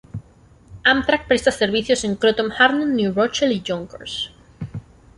Amtrak presta servicios en Croton-Harmon, New Rochelle y Yonkers.